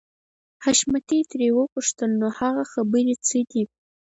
حشمتي ترې وپوښتل نو هغه خبرې څه دي.